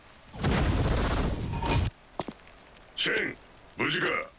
シェン無事か？